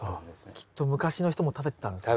きっと昔の人も食べてたんですね。